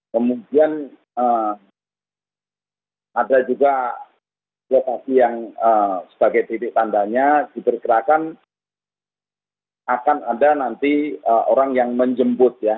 kemudian ada juga lokasi yang sebagai titik tandanya diperkirakan akan ada nanti orang yang menjemput ya